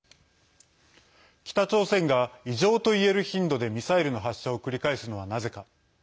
北朝鮮が、異常といえる頻度でミサイルの発射を繰り返すのはなぜか。